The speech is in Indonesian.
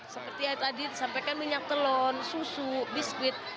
seperti yang tadi disampaikan minyak telon susu biskuit